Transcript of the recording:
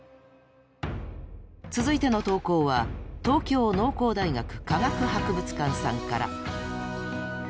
続いての投稿は東京農工大学科学博物館さんから。